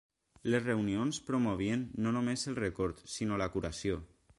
Les reunions promovien no només el record, sinó la curació.